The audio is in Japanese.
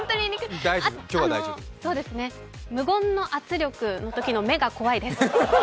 無言の圧力のときの目が怖いです。